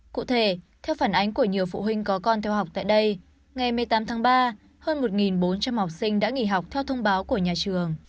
cụ thể theo phản ánh của nhiều phụ huynh có con theo học tại đây ngày một mươi tám tháng ba hơn một bốn trăm linh học sinh đã nghỉ học theo thông báo của nhà trường